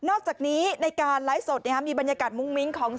โอ้ท่านลำบากจริง